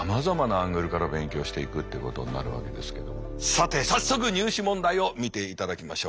さて早速入試問題を見ていただきましょう。